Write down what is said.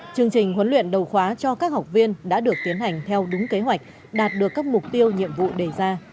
chương trình huấn luyện đầu khóa cho các học viên đã được tiến hành theo đúng kế hoạch đạt được các mục tiêu nhiệm vụ đề ra